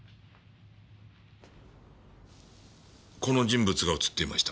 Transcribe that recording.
この人物が映っていました。